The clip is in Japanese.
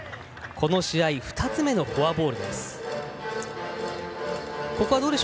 この試合、２つ目のフォアボールです。